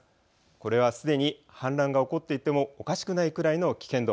これはすでに氾濫が起こっていてもおかしくないくらいの危険度。